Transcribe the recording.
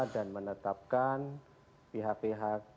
dan menetapkan pihak pihak